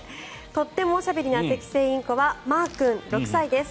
とってもおしゃべりなセキセイインコはまー君、６歳です。